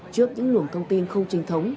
trước những luồng thông tin không trình trọng